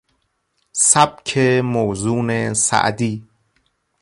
سبک موزون سعدی